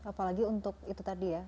apalagi untuk itu tadi ya